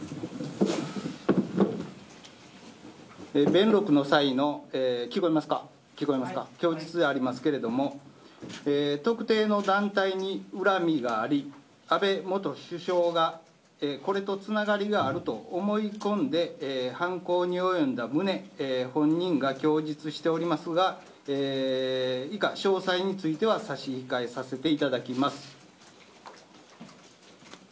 弁録の際の供述でありますが特定の団体に恨みがあり安倍元首相がこれとつながりがあると思い込んで犯行におよんだ旨本人が供述しておりますが以下、詳細については差し控えさせていただきます。